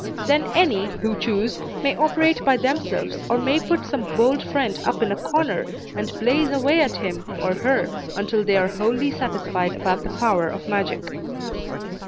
Then any who choose, may operate by themselves or may put some bold friend up in a corner, and blaze away at him or her until they are wholly satisfied about the power of magic.